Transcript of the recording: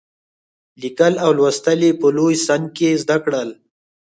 لیکل او لوستل یې په لوی سن کې زده کړل.